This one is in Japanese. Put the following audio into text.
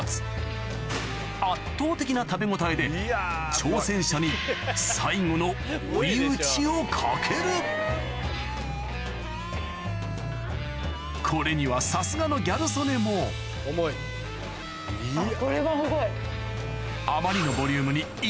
挑戦者にをかけるこれにはさすがのギャル曽根も再度早っ。